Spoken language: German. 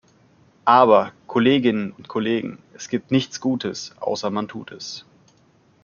Aber, Kolleginnen und Kollegen, es gibt nichts Gutes, außer man tut es.